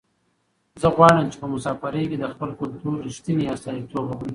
زه غواړم چې په مسافرۍ کې د خپل کلتور رښتنې استازیتوب وکړم.